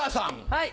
はい。